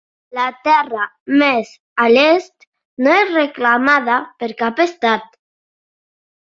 La terra més a l'est no és reclamada per cap estat.